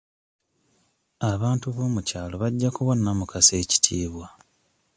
Abantu boomukyalo bajja kuwa Namukasa ekitiibwa.